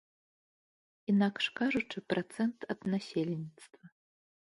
Інакш кажучы, працэнт ад насельніцтва.